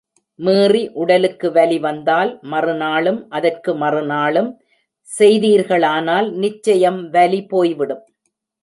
மீறி உடலுக்கு வலி வந்தால், மறுநாளும் அதற்கு மறுநாளும் செய்தீர்களானால் நிச்சயம் வலி போய்விடும்.